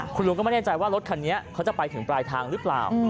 คุณลุงก็ไม่แน่ใจว่ารถคันนี้เขาจะไปถึงปลายทางหรือเปล่า